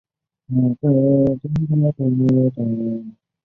月台间以行人天桥连接。